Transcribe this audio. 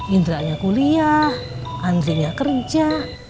indra nya kuliah andri nya kerja